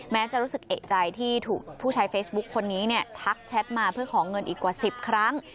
จะรู้สึกเอกใจที่ถูกผู้ใช้เฟซบุ๊คคนนี้เนี่ยทักแชทมาเพื่อขอเงินอีกกว่า๑๐ครั้ง